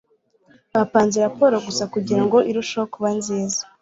bapanze raporo gusa kugirango irusheho kuba nziza